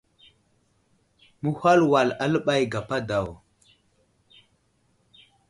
Mehwal wal aləɓay gapa daw.